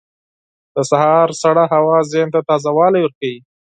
• د سهار سړه هوا ذهن ته تازه والی ورکوي.